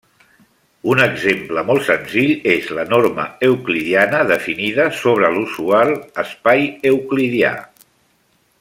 Un exemple molt senzill és la norma euclidiana definida sobre l'usual espai euclidià.